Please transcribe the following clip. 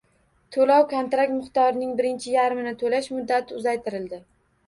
Toʻlov-kontrakt miqdorining birinchi yarmini toʻlash muddati uzaytirildi.